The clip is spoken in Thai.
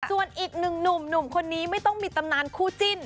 ส่วนอีกหนึ่งหนุ่มคนนี้ไม่ต้องมีตำนานคู่จิ้น